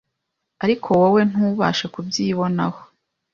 ariko wowe ntubashe kubyibonaho.